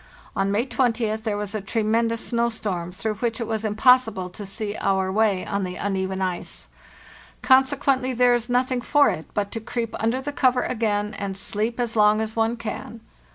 On May 2oth there was a tremendous snow storm, through which it was impossible to see our way on the uneven ice. " Consequently there is nothing A HARD STRUGGLE 219 for it but to creep under the cover again and sleep as long as one can.